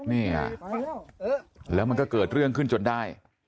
เนี่ยแล้วมันก็เกิดเรื่องขึ้นจนได้